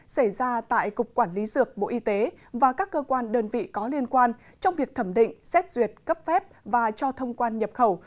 xảy ra tại cục quản lý dược bộ y tế và các cơ quan đơn vị có liên quan trong việc thẩm định xét duyệt cấp phép và cho thông quan nhập khẩu